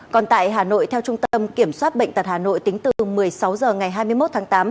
còn tại hà nội theo trung tâm kiểm soát bệnh tật hà nội tính từ một mươi sáu h ngày hai mươi một tháng tám